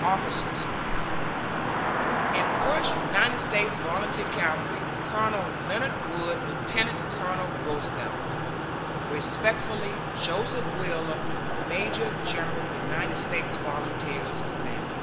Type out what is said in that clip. OFFICERS ..... In First United States Volunteer Cavalry Colonel Leonard Wood, Lieutenant Colonel Roosevelt. Respectfully, JOSEPH WHEELER, Major General United States Volunteers, Commanding.